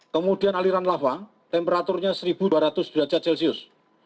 kemudian aliran lava temperaturnya satu dua ratus derajat celcius